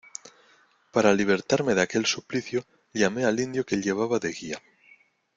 para libertarme de aquel suplicio, llamé al indio que llevaba de guía.